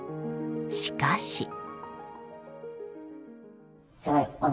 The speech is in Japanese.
しかし。